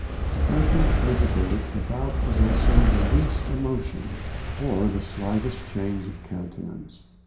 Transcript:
The prisoners heard the verdict without evincing the least emotion, or the slightest change of countenance.